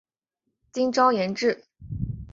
金朝沿置。